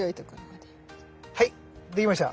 はいできました。